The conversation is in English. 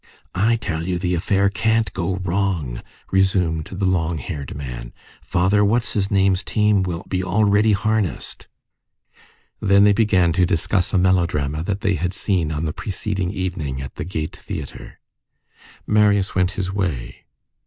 "I tell you that the affair can't go wrong," resumed the long haired man. "Father What's his name's team will be already harnessed." Then they began to discuss a melodrama that they had seen on the preceding evening at the Gaîté Theatre. Marius went his way.